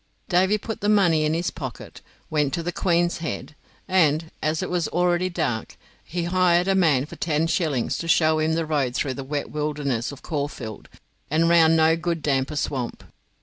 Davy put the money in his pocket, went to the Queen's Head, and, as it was already dark, he hired a man for ten shillings to show him the road through the wet wilderness of Caulfield and round No good damper Swamp.